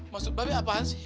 maksud babi apaan sih